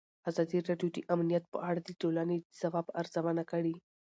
ازادي راډیو د امنیت په اړه د ټولنې د ځواب ارزونه کړې.